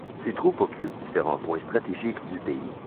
Ses troupes occupent différents points stratégiques du pays.